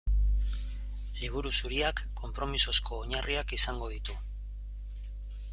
Liburu Zuriak konpromisozko oinarriak izango ditu.